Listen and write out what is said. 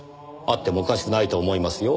あってもおかしくないと思いますよ。